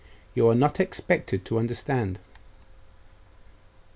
You are not expected to understand.